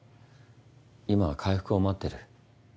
今は回復を待ってる。